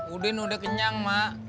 udin udah kenyang mak